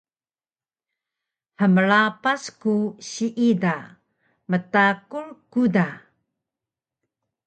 hmrapas ku siida mtakur ku da